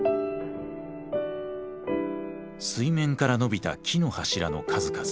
水面から伸びた木の柱の数々。